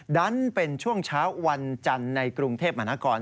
ดันเป็นช่วงเช้าวันจันทร์ในกรุงเทพมหานคร